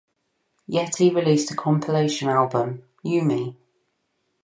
Yeti released a compilation album, Yume!